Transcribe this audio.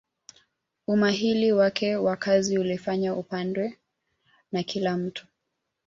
umahili wake wa kazi ulifanya apendwe na kila mtu